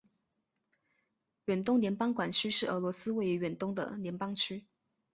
远东联邦管区是俄罗斯位于远东的联邦区。